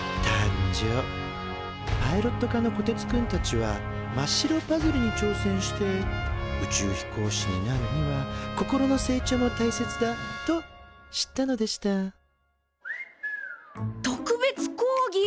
パイロット科のこてつくんたちは真っ白パズルに挑戦して宇宙飛行士になるには心の成長も大切だと知ったのでした「特別講義！！」。